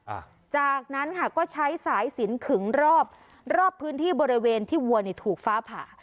อ่าจากนั้นค่ะก็ใช้สายสินขึงรอบรอบพื้นที่บริเวณที่วัวเนี่ยถูกฟ้าผ่า